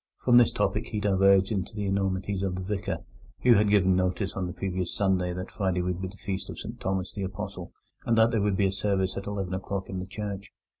From this topic he diverged to the enormities of the Vicar, who had given notice on the previous Sunday that Friday would be the Feast of St Thomas the Apostle, and that there would be service at eleven o'clock in the church.